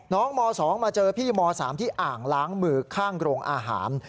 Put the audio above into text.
ม๒มาเจอพี่ม๓ที่อ่างล้างมือข้างโรงอาหาร